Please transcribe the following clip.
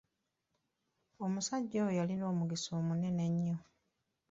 Omusajja oyo yalina omukisa munene nnyo.